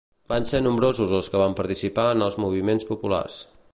Van ser nombrosos els que van participar en els moviments populars.